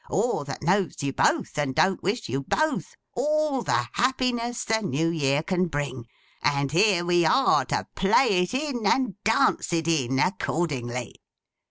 Or that knows you both, and don't wish you both all the happiness the New Year can bring. And here we are, to play it in and dance it in, accordingly.